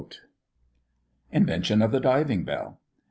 INVENTION OF THE DIVING BELL.